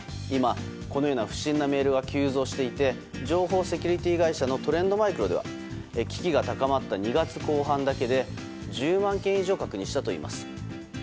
今、このような不審なメールが急増していて情報セキュリティー会社のトレンドマイクロでは危機が高まった２月後半だけで１０万件以上確認したといいます。